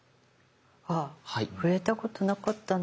ああ触れたことなかったんだけど。